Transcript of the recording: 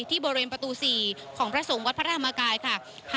ที่บริเวณประตู๔ของพระสงฆ์วัดพระธรรมกายค่ะ